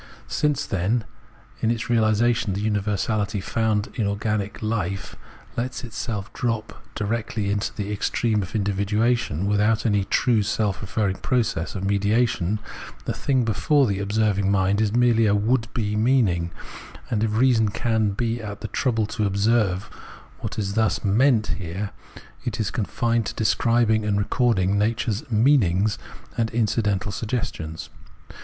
Since, then, in its reahsation, the universahty found in organic hfe lets itself drop directly into the ex treme of individuation, without any true self referring process of mediation, the thing before the observing mind is merely a would be " meaning "; and if reason can be at the trouble to observe what is thus ' meant ' here, it is confined to describing and recording nature's Observation of Organic Nature 285 '' meanings " and incidental suggestions.